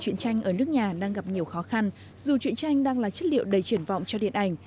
truyện tranh ở nước nhà đang gặp nhiều khó khăn dù truyện tranh đang là chất liệu đầy truyền vọng cho điện ảnh